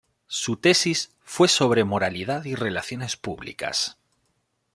Su tesis fue sobre Moralidad y Relaciones Públicas.